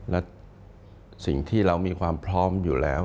และสิ่งที่เรามีความพร้อมอยู่แล้ว